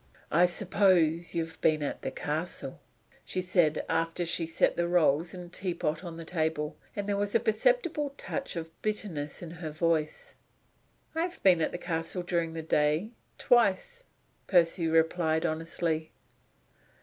"I suppose you've been at the castle?" she said after she had set the rolls and the teapot on the table; and there was a perceptible touch of bitterness in her voice. "I have been at the castle during the day, twice," Percy replied, honestly.